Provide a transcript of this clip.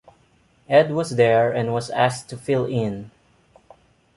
Ed was there and was asked to fill in.